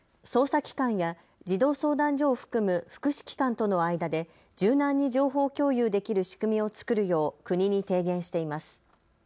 また捜査機関や児童相談所を含む福祉機関との間で柔軟に情報共有できる仕組みを作るよう国に提言しています。